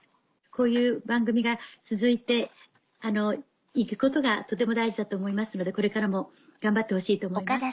こういう番組が続いて行くことがとても大事だと思いますのでこれからも頑張ってほしいと思います。